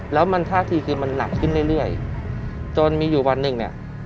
แล้วมันท่าทีคือมันหนักขึ้นเรื่อยจนมีอยู่วันหนึ่งเนี่ย